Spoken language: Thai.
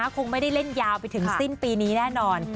คงไม่ได้เล่นยาวไปถึงสิ้นปีนี้แน่นอน